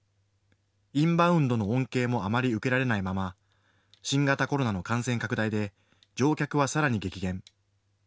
インバウンドの恩恵もあまり受けられないまま新型コロナの感染拡大で乗客はさらに激減。